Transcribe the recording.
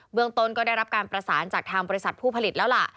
เมืองต้นก็ได้รับการประสานจากทางบริษัทผู้ผลิตแล้วล่ะ